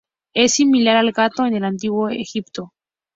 Es similar al gato en el antiguo Egipto.